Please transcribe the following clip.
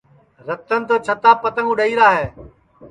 رتن تو چھتاپ پتنٚگ اُڈؔائیرا ہے